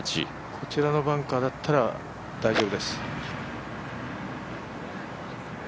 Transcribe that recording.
こちらのバンカーだったら大丈夫です。